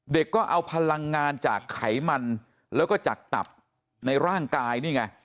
ก็เอาพลังงานจากไขมันแล้วก็จากตับในร่างกายนี่ไง